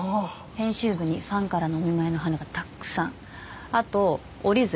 編集部にファンからのお見舞いの花がたくさんあと折り鶴